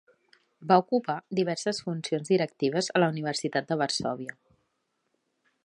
Va ocupar diverses funcions directives a la Universitat de Varsòvia.